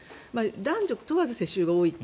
男女問わず世襲が多いと。